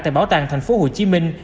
tại bảo tàng thành phố hồ chí minh